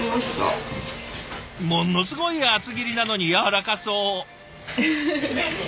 ものすごい厚切りなのにやわらかそう。